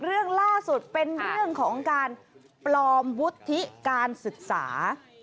เรื่องล่าสุดเป็นเรื่องของการปลอมวุฒิการศึกษา